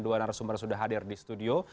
dengan dua narasumber sudah hadir di studio